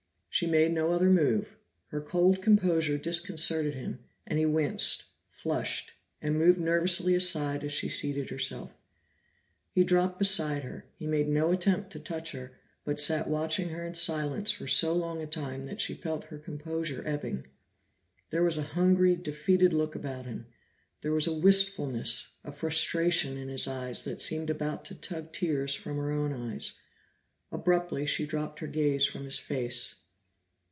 She made no other move; her cold composure disconcerted him, and he winced, flushed, and moved nervously aside as she seated herself. He dropped beside her; he made no attempt to touch her, but sat watching her in silence for so long a time that she felt her composure ebbing. There was a hungry, defeated look about him; there was a wistfulness, a frustration, in his eyes that seemed about to tug tears from her own eyes. Abruptly she dropped her gaze from his face.